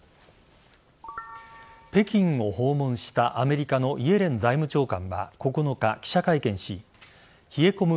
北京を訪問した、アメリカのイエレン財務長官は９日記者会見し冷え込む